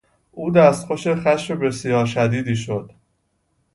او دستخوش خشم بسیار شدیدی شد.